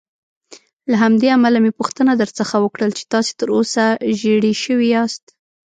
له همدې امله مې پوښتنه درڅخه وکړل چې تاسې تراوسه ژېړی شوي یاست.